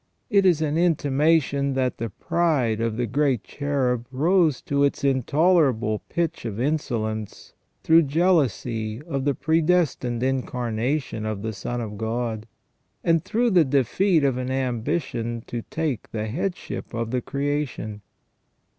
It is an intimation that the pride of the great cherub rose to its intolerable pitch of insolence through jealousy of the predestined Incarnation of the Son of God, and through the defeat of an ambition to take the headship of the creation.